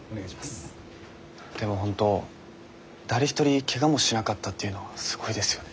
でも本当誰一人けがもしなかったっていうのはすごいですよね。